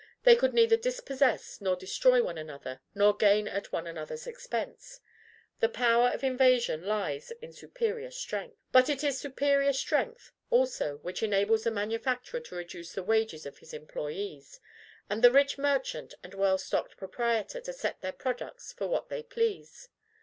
They could neither dispossess nor destroy one another, nor gain at one another's expense. The power of invasion lies in superior strength. But it is superior strength also which enables the manufacturer to reduce the wages of his employees, and the rich merchant and well stocked proprietor to sell their products for what they please.